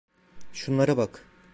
Şunlara bak.